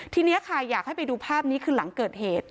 ทีนี้ค่ะอยากให้ไปดูภาพนี้คือหลังเกิดเหตุ